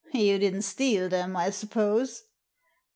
"You didn't steal them, I suppose?"